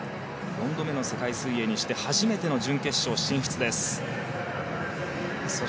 ４度目の世界水泳にして初めての準決勝進出です。